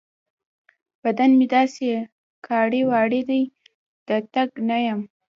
بدن مې داسې کاړې واړې دی؛ د تګ نه يم.